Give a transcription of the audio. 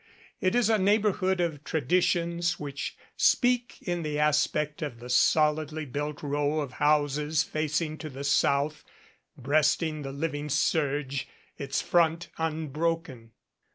It is a neighborhood of traditions which speak in the aspect of the solidly built row of houses facing to the south, breasting the living surge, its front unbroken.